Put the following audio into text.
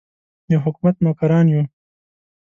د حکومت نوکران یو.